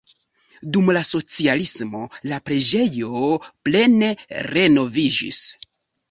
Dum la socialismo la preĝejo plene renoviĝis.